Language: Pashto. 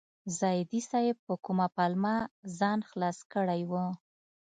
زاهدي صیب په کومه پلمه ځان خلاص کړی و.